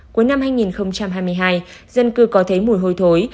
cuối năm hai nghìn hai mươi hai dân cư có thấy mùi hôi thối